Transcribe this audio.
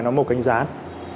nó màu canh rán